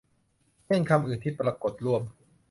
เช่นคำอื่นที่ปรากฏร่วม